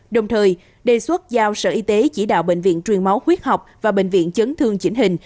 đồng thời đề xuất giao sở y tế chỉ đạo bệnh viện truyền máu huyết học và bệnh viện chấn thương chỉnh hình